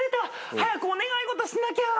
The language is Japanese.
早くお願い事しなきゃ。